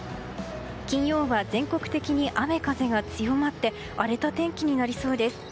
金曜は全国的に雨風が強まって荒れた天気になりそうです。